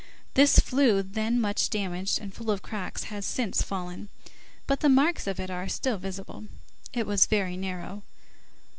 This flue, then much damaged and full of cracks, has since fallen, but the marks of it are still visible. It was very narrow.